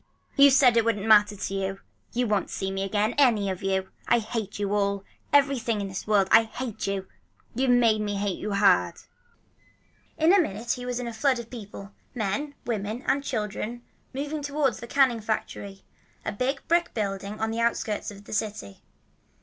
"You said it wouldn't matter to you. You won't see me again, any of you. I hate you all, and everything in the world. I hate you. You've made me hate you hard!" Then he suddenly ran out into the street. In a minute he was in a flood of people, men, women and children moving towards the canning factory, a big brick building on the outskirts of the city.